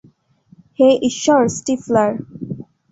হে ঈশ্বর, স্টিফলার।